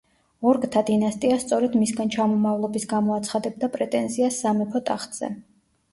ორკთა დინასტია სწორედ მისგან ჩამომავლობის გამო აცხადებდა პრეტენზიას სამეფო ტახტზე.